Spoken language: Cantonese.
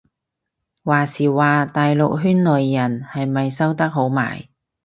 話時話大陸圈內人係咪收得好埋